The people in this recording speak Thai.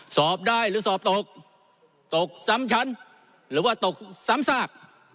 สอบได้หรือสอบตกตกซ้ำชั้นหรือว่าตกซ้ำซาก